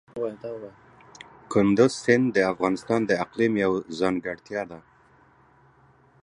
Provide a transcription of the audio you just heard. کندز سیند د افغانستان د اقلیم یوه ځانګړتیا ده.